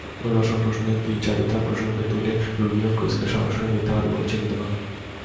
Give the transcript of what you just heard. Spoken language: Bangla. অভিবাসন প্রশ্নে দ্বিচারিতার প্রসঙ্গ তুলে রুবিও ক্রুজকে সরাসরি মিথ্যাবাদী বলে চিহ্নিত করেন।